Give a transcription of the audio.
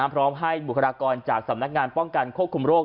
พร้อมให้บุคลากรจากสำนักงานป้องกันควบคุมโรค